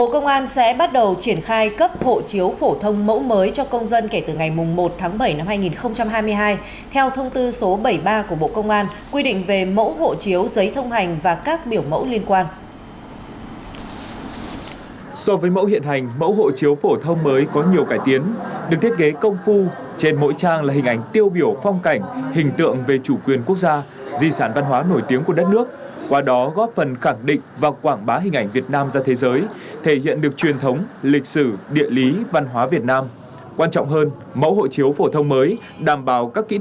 còn bây giờ sẽ là những tin tức vừa được cập nhật